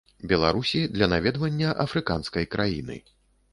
Беларусі для наведвання афрыканскай краіны.